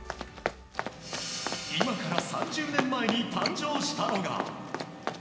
今から３０年前に誕生したのが。